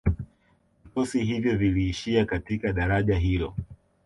Vikosi hivyo viliishia katika daraja hilo